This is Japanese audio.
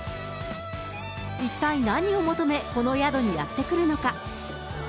一体何を求め、この宿にやって来るのか。